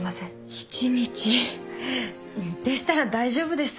でしたら大丈夫です。